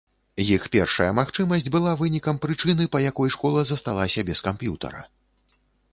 Іх першая магчымасць была вынікам прычыны па якой школа засталася без камп'ютара.